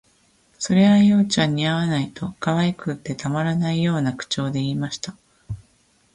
「それあ、葉ちゃん、似合わない」と、可愛くてたまらないような口調で言いました